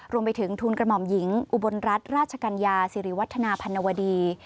รวมไปถึงทุนกระหม่อมหญิงอุบลรัฐราชกัญญาสิริวัฒนาพันวดี